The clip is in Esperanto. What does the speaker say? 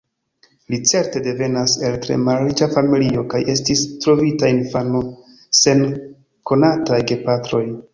Li certe devenas el tre malriĉa familio, kaj estis trovita infano sen konataj gepatroj.